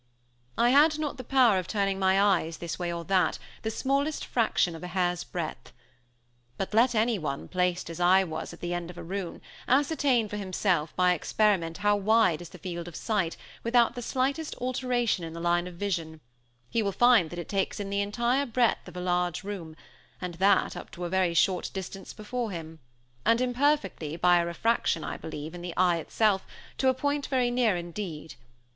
I had not the power of turning my eyes this way or that, the smallest fraction of a hair's breadth. But let anyone, placed as I was at the end of a room, ascertain for himself by experiment how wide is the field of sight, without the slightest alteration in the line of vision, he will find that it takes in the entire breadth of a large room, and that up to a very short distance before him; and imperfectly, by a refraction, I believe, in the eye itself, to a point very near indeed.